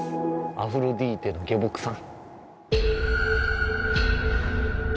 「アフロディーテの下僕」さん。